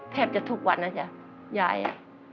แทบจะทุกวันนะจ๊ะยาย